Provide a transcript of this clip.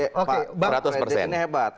pak pak reddy ini hebat